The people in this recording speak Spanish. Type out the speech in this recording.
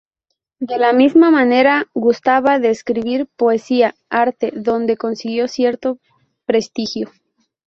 De la misma manera gustaba de escribir poesía, arte donde consiguió cierto prestigio.